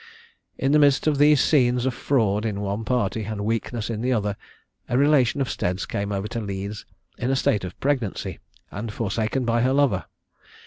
In the midst of these scenes of fraud in one party, and weakness in the other, a relation of Stead's came over to Leeds in a state of pregnancy, and forsaken by her lover.